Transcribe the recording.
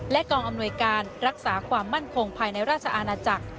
กองอำนวยการรักษาความมั่นคงภายในราชอาณาจักร